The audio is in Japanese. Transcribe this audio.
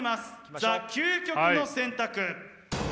ザ・究極の選択。